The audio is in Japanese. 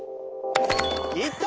いった！